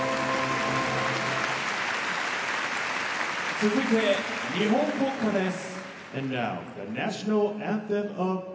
続いて日本国歌です。